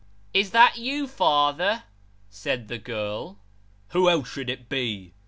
" Is that you, father ?" said the girl. " Who else should it be ?